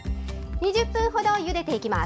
２０分ほどゆでていきます。